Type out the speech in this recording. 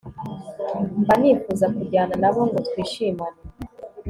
Mba nifuza kujyana na bo ngo twishimane